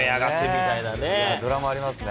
ドラマありますね。